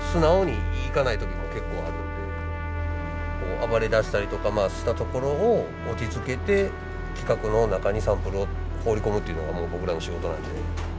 暴れだしたりとかしたところを落ち着けて規格の中にサンプルを放り込むというのがもう僕らの仕事なので。